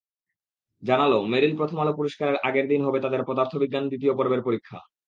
জানাল, মেরিল-প্রথম আলো পুরস্কারের আগের দিন হবে তাদের পদার্থবিজ্ঞান দ্বিতীয় পর্বের পরীক্ষা।